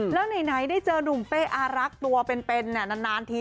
แล้วไหนได้เจอนุ่มเป้อารักษ์ตัวเป็นนานที